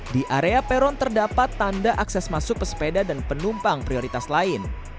di area peron terdapat tanda akses masuk pesepeda dan penumpang prioritas lain